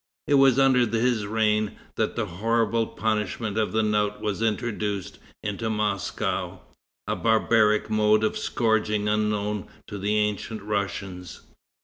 It was under his reign that the horrible punishment of the knout was introduced into Moscow, a barbaric mode of scourging unknown to the ancient Russians.